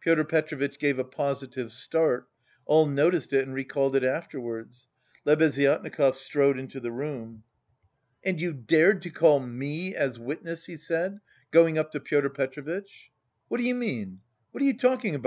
Pyotr Petrovitch gave a positive start all noticed it and recalled it afterwards. Lebeziatnikov strode into the room. "And you dared to call me as witness?" he said, going up to Pyotr Petrovitch. "What do you mean? What are you talking about?"